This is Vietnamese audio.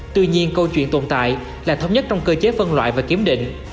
tuy nhiên câu chuyện tồn tại là thống nhất trong cơ chế phân loại và kiểm định